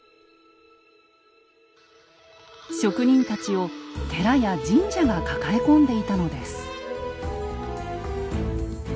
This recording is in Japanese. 職人たちを寺や神社が抱え込んでいたのです。